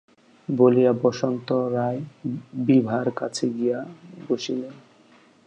বলিয়া বসন্ত রায় বিভার কাছে গিয়া বসিলেন।